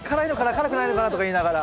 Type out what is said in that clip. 辛くないのかな？」とか言いながら。